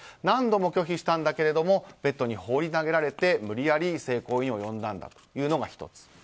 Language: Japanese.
何度も拒否したんだけどもベッドに放り投げられて無理やり性行為に及んだんだというの１つ。